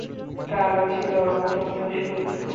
তারা ছিল অত্যন্ত সুরক্ষিত।